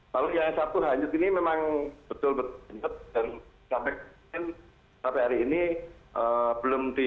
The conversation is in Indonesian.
kalau yang satu hanyut ini memang betul betul hanyut dan sampai hari ini belum ditemukan